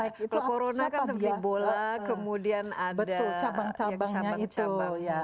kalau corona kan seperti bola kemudian ada cabang cabangnya itu